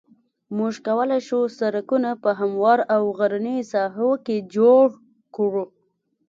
موږ کولای شو سرکونه په هموارو او غرنیو ساحو کې جوړ کړو